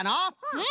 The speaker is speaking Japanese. うん！